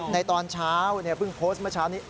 ในตอนเช้าเพิ่งโพสต์มาเช้านี้